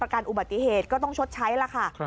ก็ต้องชดใช้ล่ะค่ะ